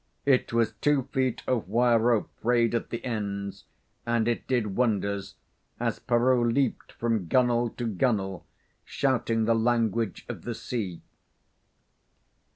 It was two feet of wire rope frayed at the ends, and it did wonders as Peroo leaped from gunnel to gunnel, shouting the language of the sea.